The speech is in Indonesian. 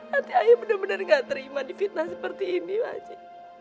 hati ayah bener bener gak terima di fitnah seperti ini pak haji